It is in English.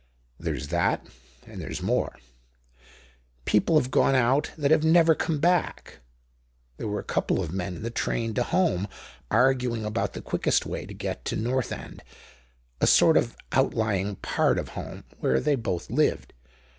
"There's that, and there's more. People have gone out that have never come back. There were a couple of men in the train to Holme, arguing about the quickest way to get to Northend, a sort of outlying part of Holme where they both lived.